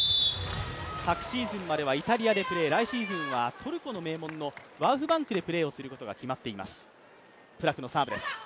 昨シーズンまではイタリアでプレー、来シーズンはトルコの名門でプレーすることが決まっています。